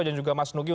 dan juga mas nugir